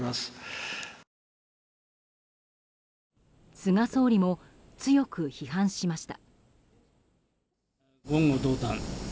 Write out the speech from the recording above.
菅総理も強く批判しました。